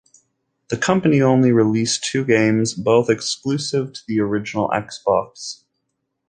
The company only released two games, both exclusive to the original Xbox.